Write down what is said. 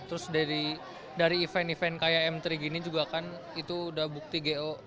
terus dari event event kayak m tiga gini juga kan itu udah bukti go